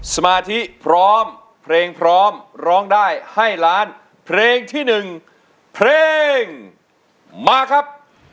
สมาธิพร้อมเพลงพร้อมร้องได้ให้ล้านเพลงที่๑เพลงมาครับ